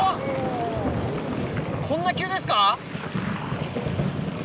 こんな急ですか？